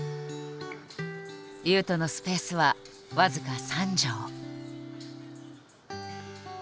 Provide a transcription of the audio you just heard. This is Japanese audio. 雄斗のスペースは僅か３畳。